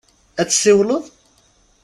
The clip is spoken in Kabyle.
Ad d-tsiwleḍ?